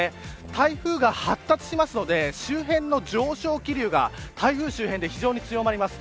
台風が発達しますので周辺の上昇気流が台風周辺で非常に強まります。